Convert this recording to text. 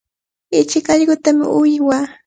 Ichik allqutami uywaa.